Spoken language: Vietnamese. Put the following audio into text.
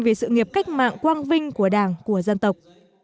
về sự nghiệp cách mạng quang vinh của đảng của dân tộc